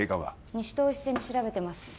西棟を一斉に調べてます